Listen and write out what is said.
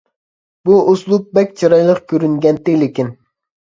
بۇ ئۇسلۇب بەك چىرايلىق كۆرۈنگەنتى لېكىن.